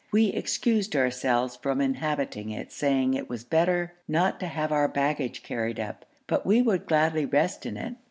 We excused ourselves from inhabiting it, saying it was better not to have our baggage carried up, but we would gladly rest in it.